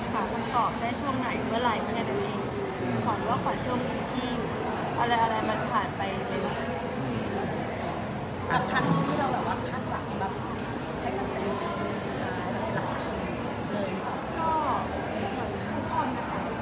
ความจำปันมีความสำหรับฉัน